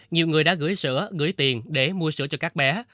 nhiều người đã gửi sữa gửi tiền để mua sữa cho các bé